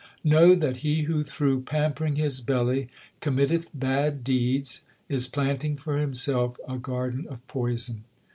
Know that he who through pampering his belly com mitteth bad deeds is planting for himself a garden of poison.